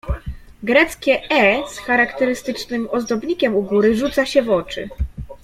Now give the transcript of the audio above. "Greckie „e” z charakterystycznym ozdobnikiem u góry rzuca się w oczy."